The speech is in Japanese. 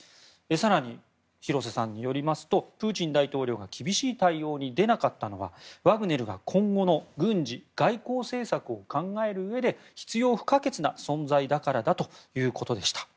更に、廣瀬さんによりますとプーチン大統領が厳しい対応に出なかったのはワグネルが今後の軍事・外交政策を考えるうえで必要不可欠な存在だからだということでした。